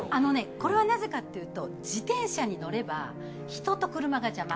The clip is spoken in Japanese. これはなぜかというと自転車に乗れば人と車が邪魔。